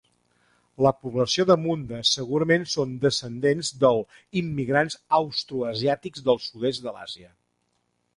La població de Munda segurament són descendents del immigrants austroasiàtics del sud-est de l'Àsia.